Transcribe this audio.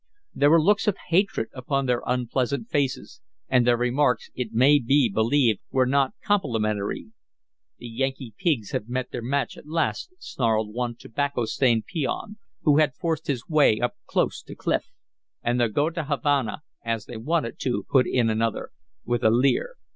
There were looks of hatred upon their unpleasant faces, and their remarks it may be believed were not complimentary. "The Yankee pigs have met their match at last," snarled one tobacco stained peon, who had forced his way up close to Clif. "And they'll go to Havana as they wanted to," put in another, with a leer.